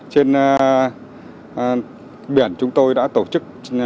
trên biển chúng tôi đã tổ chức